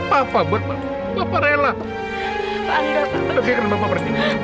bapak gak perlu penjelasan lagi